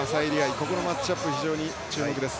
ここのマッチアップが非常に注目です。